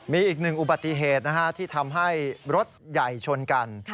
มีอีกหนึ่งอุบัติเหตุที่ทำให้รถใหญ่ชนกัน